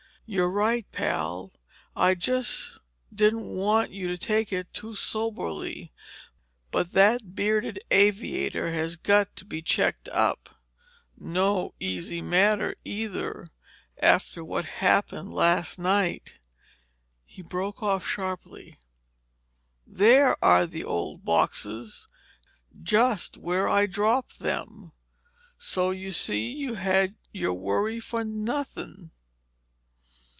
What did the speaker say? "You're right, pal. I just didn't want you to take it too soberly. But that bearded aviator has got to be checked up. No easy matter, either, after what happened last night." He broke off sharply. "There are the old boxes—just where I dropped them—so you see you've had your worry for nothing."